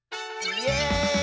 イエーイ！